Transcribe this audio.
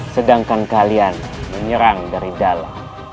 sedangkan kalian menyerang dari dalam